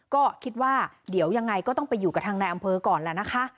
ก็คิดว่าเดี๋ยวยังไงก็ต้องไปอยู่กับทางนายอำเภอก่อนแล้วนะคะ